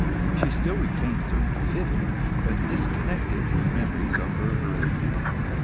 She still retained some vivid, but disconnected, memories of her early youth.